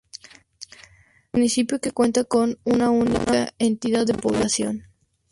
Municipio que cuenta con una única entidad de población.